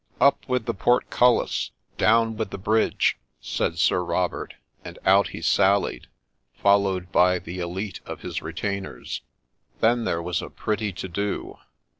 ' Up with the portcullis ! down with the bridge !' said Sir Robert ; and out he sallied, followed by the elite of his retainers. Then there was a pretty to do.